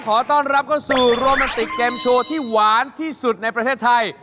ขอต้อนรับเข้าสู่โรแมนติกเกมโชว์ที่หวานที่สุดในประเทศไทย